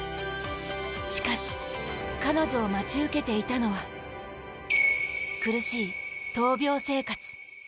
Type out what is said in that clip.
しかし、彼女を待ち受けていたのは苦しい闘病生活。